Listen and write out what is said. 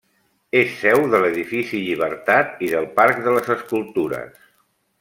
És seu de l'Edifici Llibertat i del Parc de les Escultures.